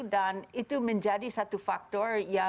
dan itu menjadi satu faktor